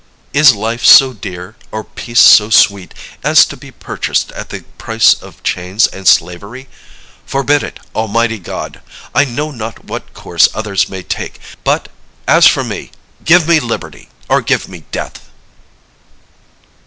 Is life so dear, or peace so sweet, as to be purchased at the price of chains and slavery? Forbid it, Almighty God. I know not what course others may take, but, as for me, give me liberty, or give me death!